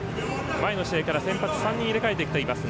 前の試合から先発を３人入れ替えてきています。